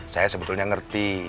saya sebetulnya ngerti